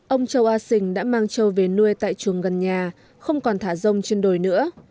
ông châu a sình đã mang châu về nuôi tại chuồng gần nhà không còn thả rông trên đồi nữa